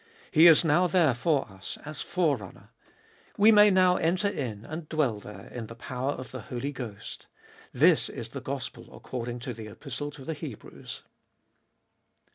He is now there for us as Forerunner. We may now enter in and dwell there, in the power of the Holy Ghost. This is the gospel according to the Epistle to the Hebrews.